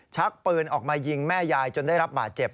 ชักปืนออกมายิงแม่ยายจนได้รับบาดเจ็บ